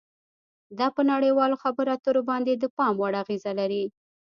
دا په نړیوالو خبرو اترو باندې د پام وړ اغیزه لري